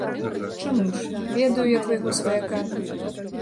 Чаму ж, ведаю я твайго сваяка.